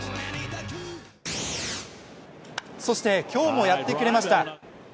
そして今日もやってくれました。